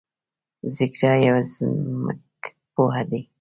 ذکریا یو ځمکپوه دی.